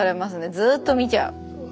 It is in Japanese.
ずっと見ちゃう。